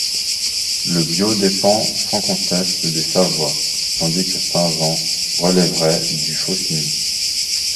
Le Biot dépend sans conteste des Savoie, tandis que Saint-Jean relèverait du Faucigny.